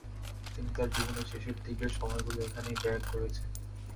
তিনি তার জীবনের শেষের দিকের সময় গুলো এখানেই ব্যয় করেছেন।